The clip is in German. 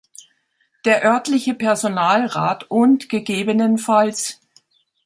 Der Örtliche Personalrat und ggf.